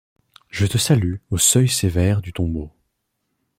Je te salue au seuil sévère du tombeau.